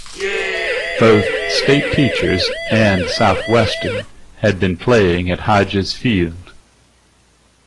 Both State Teachers and Southwestern had been playing at Hodges Field.